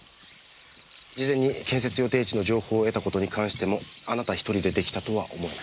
事前に建設予定地の情報を得たことに関してもあなた１人で出来たとは思えない。